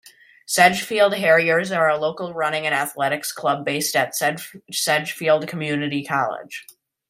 "Sedgefield Harriers" are a local running and athletics club based at Sedgefield Community College.